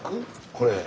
これ。